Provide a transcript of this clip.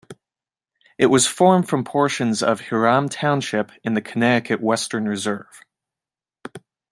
It was formed from portions of Hiram Township in the Connecticut Western Reserve.